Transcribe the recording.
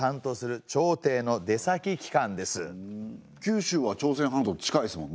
九州は朝鮮半島近いすもんね。